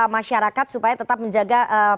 masyarakat supaya tetap menjaga